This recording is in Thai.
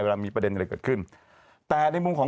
เวลามีประเด็นอะไรเกินขึ้น